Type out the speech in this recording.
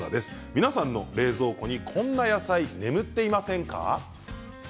皆さんの冷蔵庫にこんな野菜、眠っていませんか。